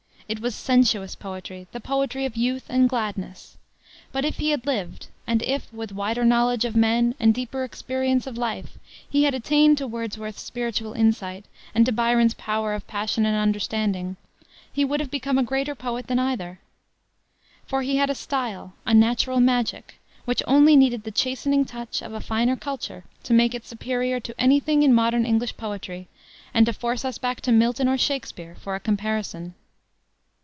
It was sensuous poetry, the poetry of youth and gladness. But if he had lived, and if, with wider knowledge of men and deeper experience of life, he had attained to Wordsworth's spiritual insight and to Byron's power of passion and understanding, he would have become a greater poet than either. For he had a style a "natural magic" which only needed the chastening touch of a finer culture to make it superior to any thing in modern English poetry and to force us back to Milton or Shakspere for a comparison.